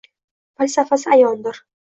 Falsafasi ayondir.